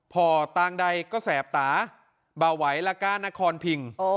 พอตางใดก็แสบตาเบาไหวละก้านครพิง